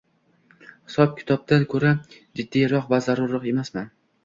hisob-kitobidan ko‘ra jiddiyroq va zarurroq emasmi?